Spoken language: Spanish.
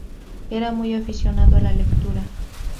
Era muy aficionado a la lectura.